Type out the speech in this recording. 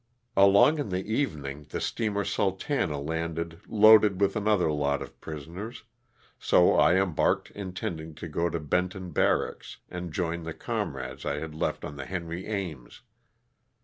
Along in the evening the steamer ''Sultana" landed loaded with another lot of prisoners, so I embarked intending to go to Benton Barracks and join the com rades I had left on the "Henry Aims."